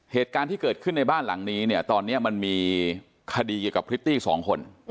เหตุการณ์ที่เกิดขึ้นในบ้านหลังนี้เนี่ยตอนนี้มันมีคดีเกี่ยวกับพริตตี้สองคน